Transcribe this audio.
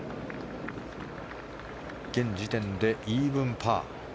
現時点でイーブンパー。